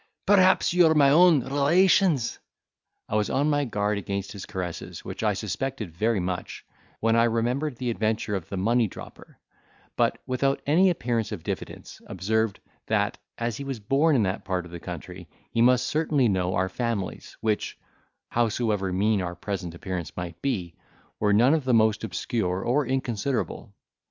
perhaps you are my own relations." I was on my guard against his caresses, which I suspected very much, when I remembered the adventure of the money dropper; but, without any appearance of diffidence, observed, that, as he was born in that part of the country, he must certainly know our families, which (howsoever mean our present appearance might be) were none of the most obscure or inconsiderable.